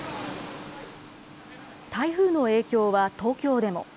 台風の影響は東京でも。